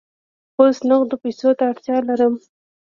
اوس نغدو پیسو ته اړتیا لرم.